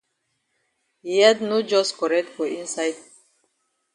Yi head no jus correct for inside.